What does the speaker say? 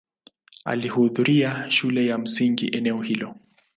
Alihudhuria shule ya msingi eneo hilo.